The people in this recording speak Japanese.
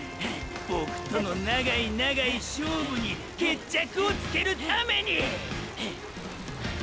ボクとの長い長い勝負に決着をつけるためにィ！！